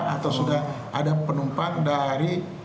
atau sudah ada penumpang dari